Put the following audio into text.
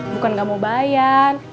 bukan gak mau bayar